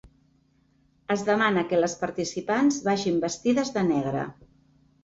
Es demana que les participants vagin vestides de negre.